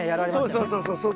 そうそうそうそう